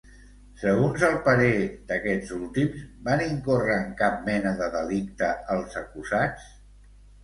Segons el parer d'aquests últims, van incórrer en cap mena de delicte els acusats?